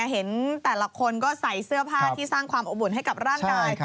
เห็นแต่ละคนก็ใส่เสื้อผ้าที่สร้างความอบอุ่นให้กับร่างกาย